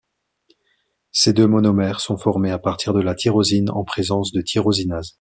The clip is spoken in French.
Ces deux monomères sont formés à partir de la tyrosine en présence de tyrosinase.